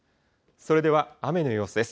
それでは雨の予想です。